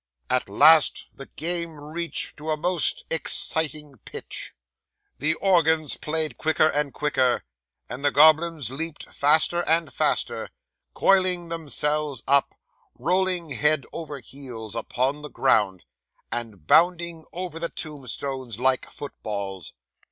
'At last the game reached to a most exciting pitch; the organ played quicker and quicker, and the goblins leaped faster and faster, coiling themselves up, rolling head over heels upon the ground, and bounding over the tombstones like footballs.